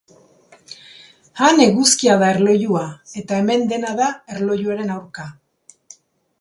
Han eguzkia da erlojua, eta hemen dena da erlojuaren aurka.